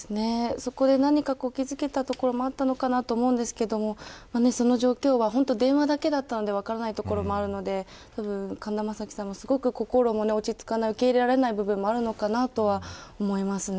そこで何か気付けたこともあったのかなと思うんですけどその状況は電話だけだったので分からないところもあるので神田正輝さんもすごく心が落ち着かない受け入れられない部分もあるのかなと思いますね。